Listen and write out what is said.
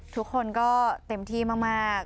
ทุกคนก็เต็มที่มาก